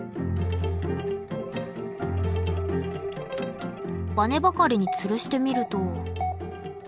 バネばかりにつるしてみると。